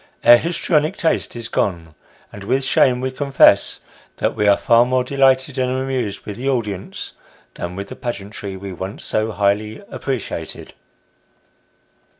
Our histrionic taste is gone, and with shame we con fess, that we are far more delighted and amused with the audience, than with the pageantry we once so highly appreciated.